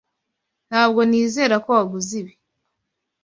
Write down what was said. Ntabwo nizera ko waguze ibi.